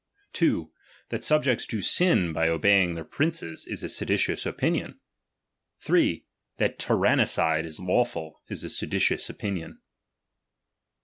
2. That subjects do tin by obeying their ^arittces is a seditious opinioD. 3. That tyrannicide ii lawful is ^Beditioua opinion.